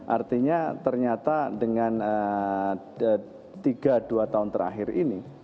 artinya ternyata dengan tiga dua tahun terakhir ini